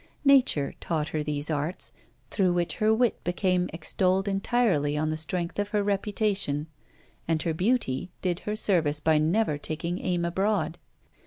Nature taught her these arts, through which her wit became extolled entirely on the strength of her reputation, and her beauty did her service by never taking aim abroad.